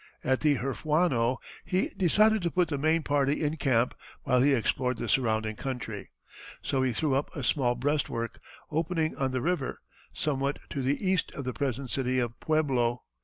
At the Herfuano he decided to put the main party in camp while he explored the surrounding country, so he threw up a small breastwork, opening on the river, somewhat to the east of the present city of Pueblo.